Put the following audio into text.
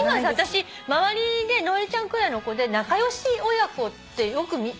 今私周りでノエルちゃんくらいの子で仲良し親子ってよく。